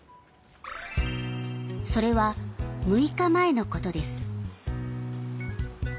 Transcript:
それは６日前のことです。